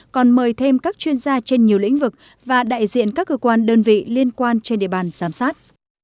còn mời thêm các chuyên gia trên nhiều lĩnh vực và đại diện các cơ quan đơn vị liên quan trên địa bàn giám sát